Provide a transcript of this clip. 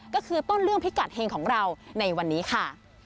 ก็คือต้นเรื่องพิกัดเฮงของเราในวันนี้ค่ะ